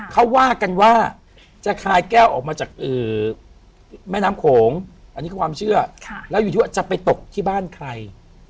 เขาว่ากันว่าจะคลายแก้วออกมาจากแม่น้ำโขงอันนี้ก็ความเชื่อแล้วอยู่ที่ว่าจะไปตกที่บ้านใคร